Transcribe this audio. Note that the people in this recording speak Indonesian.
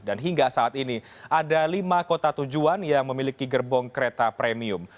dan hingga saat ini ada lima kota tujuan yang memiliki gerbong kereta premium